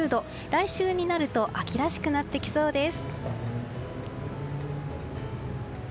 来週になると秋らしくなってきそうです。